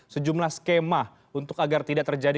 sejumlah skema untuk agar tidak terjadi